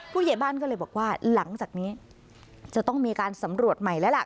ผู้ใหญ่บ้านก็เลยบอกว่าหลังจากนี้จะต้องมีการสำรวจใหม่แล้วล่ะ